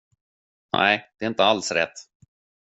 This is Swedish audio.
Nej, det är inte alls rätt.